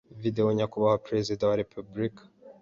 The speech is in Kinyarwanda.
Video, Nyakubahwa Perezida wa Repubulika,